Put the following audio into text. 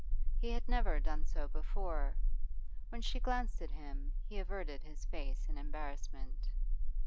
He had never done so before; when she glanced at him he averted his face in embarrassment.